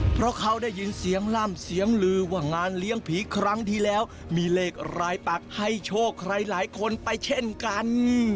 เพราะเขาได้ยินเสียงล่ำเสียงลือว่างานเลี้ยงผีครั้งที่แล้วมีเลขรายปักให้โชคใครหลายคนไปเช่นกัน